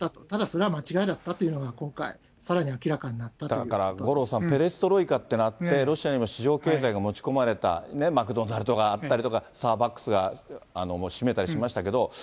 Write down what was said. ただ、それは間違いだったというのが、今回、さらに明らかになったといだから五郎さん、ペレストロイカというのがあって、ロシアにも市場経済が持ち込まれた、マクドナルドがあったりとか、スターバックスが、もう閉めたりしましたけど。